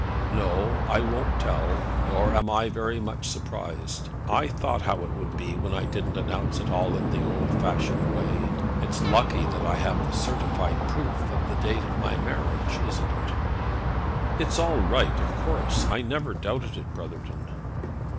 "No; I won't tell. Nor am I very much surprised. I thought how it would be when I didn't announce it all in the old fashioned way. It's lucky that I have the certificated proof of the date of my marriage, isn't it?" "It's all right, of course. I never doubted it, Brotherton."